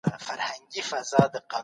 امنیتي ساتونکي څه دنده لري؟